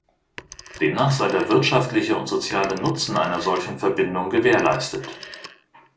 Demnach sei der „wirtschaftliche und soziale Nutzen einer solchen Verbindung“ gewährleistet.